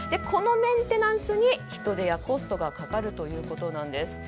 このメンテナンスに人手やコストがかかるということです。